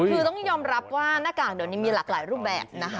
คือต้องยอมรับว่าหน้ากากเดี๋ยวนี้มีหลากหลายรูปแบบนะคะ